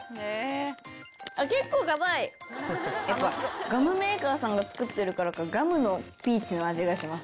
やっぱガムメーカーさんが作ってるからかガムのピーチの味がします